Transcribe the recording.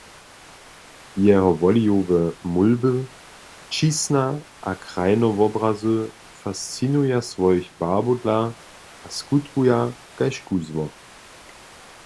Jeho wolijowe mólby, ćišna a krajinowobrazy fascinuja swojich barbow dla a skutkuja kaž kuzło.